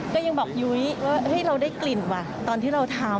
ก็ยังบอกยุ้ยว่าเราได้กลิ่นว่ะตอนที่เราทำ